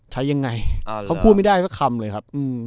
ใช้ยังไงคุ้นไม่ได้แค่คำเลยครับ